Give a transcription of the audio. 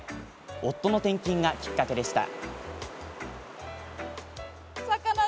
夫の転勤がきっかけでした。